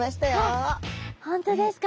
あっ本当ですか。